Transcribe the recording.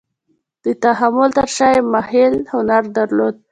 د تحمل تر شا یې محیل هنر درلود.